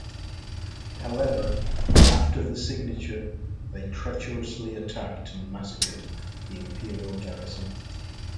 However, after the signature, they treacherously attacked and massacred the imperial garrison.